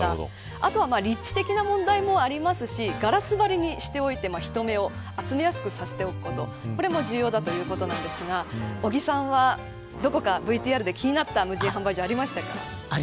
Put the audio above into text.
あとは、立地的な問題もありますしガラス張りにしておいて人目を集めやすくさせておくことこれも重要だということですが尾木さんはどこかＶＴＲで気になったありましたね。